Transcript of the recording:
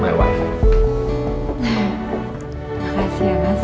makasih ya mas